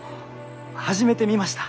初めて見ました。